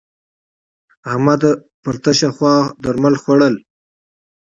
احمد پر تشه خوا درمل خوړول.